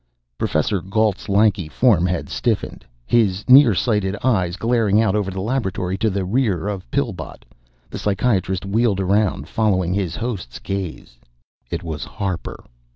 Professor Gault's lanky form had stiffened, his near sighted eyes glaring out over the laboratory to the rear of Pillbot. The psychiatrist wheeled around, followed his host's gaze. It was Harper.